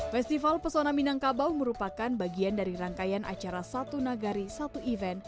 festival pesona minangkabau merupakan bagian dari rangkaian acara satu nagari satu event